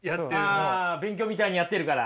勉強みたいにやってるから。